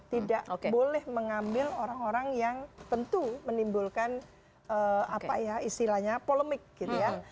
tidak boleh mengambil orang orang yang tentu menimbulkan apa ya istilahnya polemik gitu ya